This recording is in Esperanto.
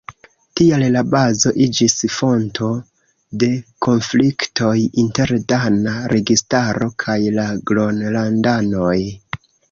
Tial la bazo iĝis fonto de konfliktoj inter dana registaro kaj la Gronlandanoj.